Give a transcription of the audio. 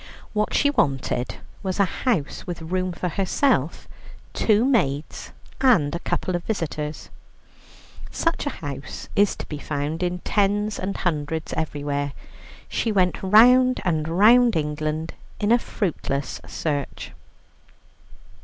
What she wanted was a house with room for herself, two maids, and a couple of visitors. Such a house is to be found in tens and hundreds everywhere. She went round and round England in a fruitless search.